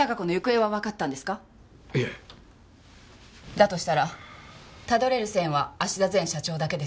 だとしたらたどれる線は芦田前社長だけです。